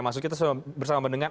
maksud kita bersama mendengar